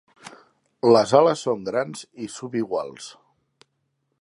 Les ales són grans i subiguals.